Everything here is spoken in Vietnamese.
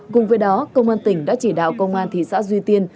cùng với đó công an tỉnh đã chỉ đạo công an thị xã duy tiên